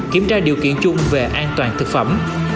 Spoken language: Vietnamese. kiểm tra điều kiện chung về an toàn thực phẩm